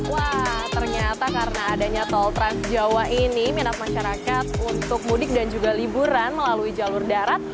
wah ternyata karena adanya tol trans jawa ini minat masyarakat untuk mudik dan juga liburan melalui jalur darat